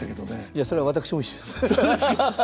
いやそれは私も一緒です。